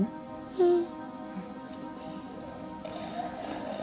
うん。